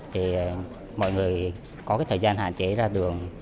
thì mọi người có cái thời gian hạn chế ra đường